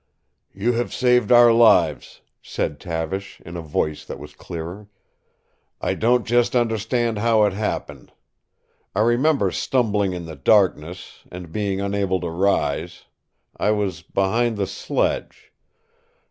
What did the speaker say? "You have saved our lives," said Tavish, in a voice that was clearer. "I don't just understand how it happened. I remember stumbling in the darkness, and being unable to rise. I was behind the sledge.